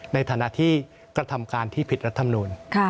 ในฐานะที่กระทำการที่ผิดรัฐมนูล